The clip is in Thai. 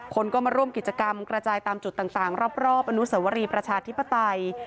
คนก็มาร่วมกิจกรรมกระจายตามจุดต่างรอบอนุสวรีประชาธิปไตย